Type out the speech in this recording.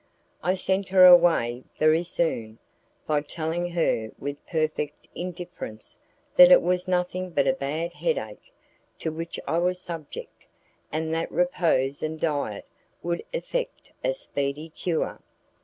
I sent her away very soon, by telling her with perfect indifference that it was nothing but a bad headache, to which I was subject, and that repose and diet would effect a speedy cure.